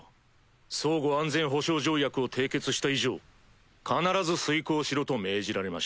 相互安全保障条約を締結した以上必ず遂行しろと命じられました。